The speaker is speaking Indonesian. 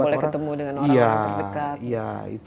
boleh ketemu dengan orang orang terdekat